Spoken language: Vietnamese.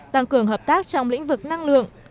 tăng cường hợp tác trong lĩnh vực năng lượng